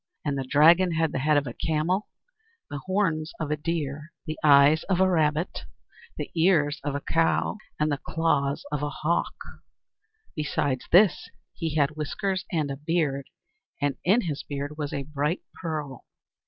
And the Dragon had the head of a camel, the horns of a deer, the eyes of a rabbit, the ears of a cow, and the claws of a hawk. Besides this, he had whiskers and a beard, and in his beard was a bright pearl.